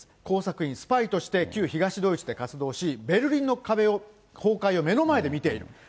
工作員、スパイとして旧東ドイツで活動し、ベルリンの壁崩壊を目の前で見ている。